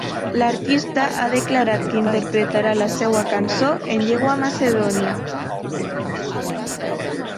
L'artista ha declarat que interpretarà la seva cançó en llengua macedònia.